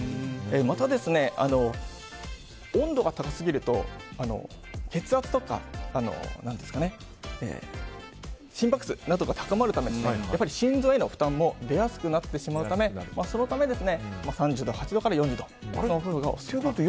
また、温度が高すぎると血圧とか心拍数などが高まるためやっぱり心臓への負担も出やすくなってしまうためそのため、３８度から４０度のお風呂がオススメです。